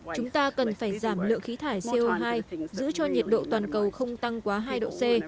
chúng ta cần phải giảm lượng khí thải co hai giữ cho nhiệt độ toàn cầu không tăng quá hai độ c